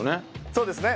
そうですね。